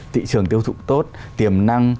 thị trường tiêu thụ tốt tiềm năng